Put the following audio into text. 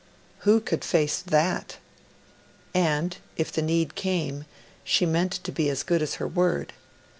Who could face that? And, if the need came, she meant to be as good as her word.